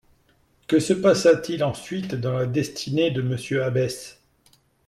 Que se passa-t-il ensuite dans la destinée de M Abbesse